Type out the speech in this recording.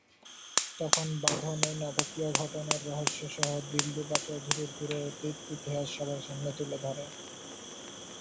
তখন বাঁধন এই নাটকীয় ঘটনার রহস্য সহ দিলরুবা চৌধুরীর পুরো অতীত ইতিহাস সবার সামনে তুলে ধরে।